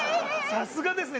さすがですね。